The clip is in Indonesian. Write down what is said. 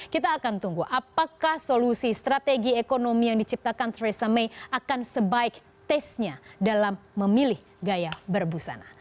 kita akan tunggu apakah solusi strategi ekonomi yang diciptakan theresa may akan sebaik tesnya dalam memilih gaya berbusana